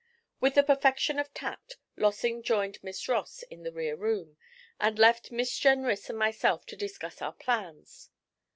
With the perfection of tact Lossing joined Miss Ross in the rear room, and left Miss Jenrys and myself to discuss our plans.